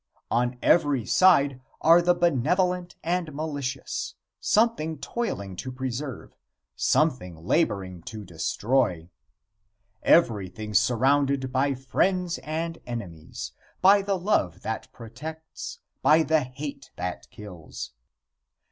On every side are the benevolent and malicious something toiling to preserve, something laboring to destroy. Everything surrounded by friends and enemies by the love that protects, by the hate that kills.